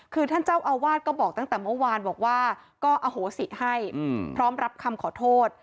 คือท่านเจ้าอาวาสก็บอกตั้งแต่เมื่อวานบอกว่าก็อโหสิให้พร้อมรับคำขอโทษ